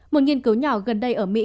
một nghiên cứu nhỏ gần đây ở mỹ